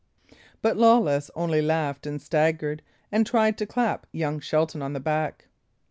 But Lawless only laughed and staggered, and tried to clap young Shelton on the back.